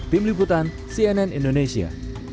tim liputan cnn indonesia